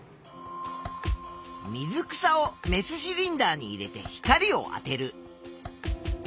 水草をメスシリンダーに入れて光をあてる。